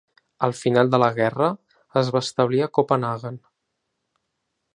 Al final de la guerra, es va establir a Copenhaguen.